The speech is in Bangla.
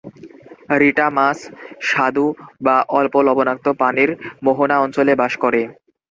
রিটা মাছ স্বাদু বা অল্প লবণাক্ত পানির মোহনা অঞ্চলে বাস করে।